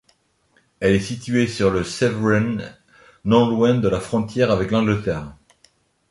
Elle est située sur la Severn, non loin de la frontière avec l'Angleterre.